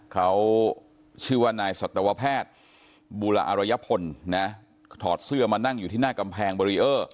เขาชื่อว่านายสัตวแพทย์บูระอารยพลนะถอดเสื้อมานั่งอยู่ที่หน้ากำแพงเบรีเออร์